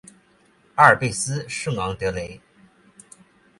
阿尔卑斯圣昂德雷。